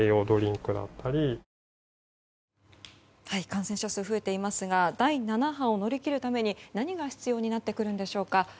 感染者数が増えていますが第７波を乗り切るために何が必要になってくるでしょう。